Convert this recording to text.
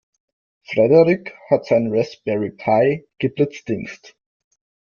Frederik hat seinen Raspberry Pi geblitzdingst.